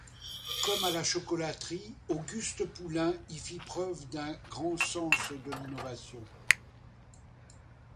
Comme à la chocolaterie, Auguste Poulain y fait preuve d'un grand sens de l'innovation.